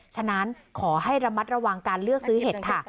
ฉะนั้นขอให้ระมัดระวังการเลือกซื้อเห็ดค่ะ